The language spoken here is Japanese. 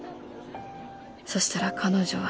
そしたら彼女は。